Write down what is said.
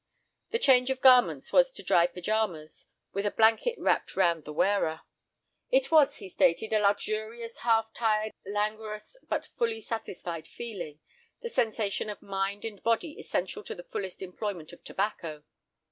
The change of garments was to dry pyjamas, with a blanket wrapped round the wearer. It was, he stated, a luxurious, half tired, languorous but fully satisfied feeling, the sensation of mind and body essential to the fullest enjoyment of tobacco.